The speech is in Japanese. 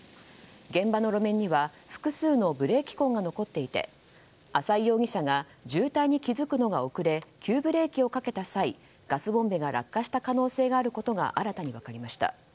現場の路面には複数のブレーキ痕が残っていて浅井容疑者が渋滞に気付くのが遅れ急ブレーキをかけた際ガスボンベが落下した可能性があることが新たに分かりました。